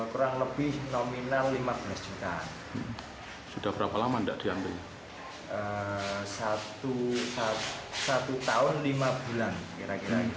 ketika dikumpulkan masjidnya diwongkar